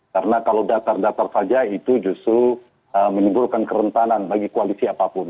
karena kalau datar datar saja itu justru menimbulkan kerentanan bagi koalisi apapun